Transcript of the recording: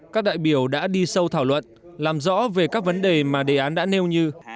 các đại biểu đã đi sâu thảo luận làm rõ về các vấn đề mà đề án đã nêu như